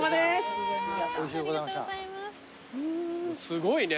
すごいね。